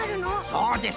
そうです。